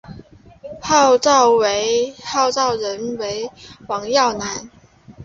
召集人为黄耀南。